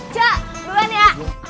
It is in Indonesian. ce duluan ya